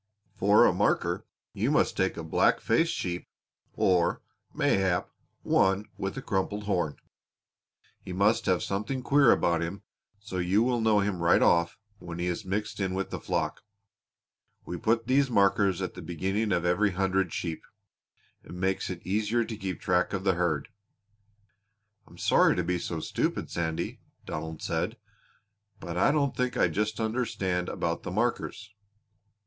"For a marker you must take a black faced sheep or, mayhap, one with a crumpled horn; he must have something queer about him so you will know him right off when he is mixed in with the flock. We put these markers at the beginning of every hundred sheep. It makes it easier to keep track of the herd." "I'm sorry to be so stupid, Sandy," Donald said, "but I don't think I just understand about the markers."